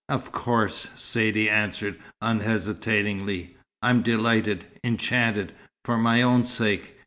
"Of course," Saidee answered unhesitatingly. "I'm delighted enchanted for my own sake.